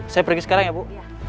saya pergi sekarang ya bu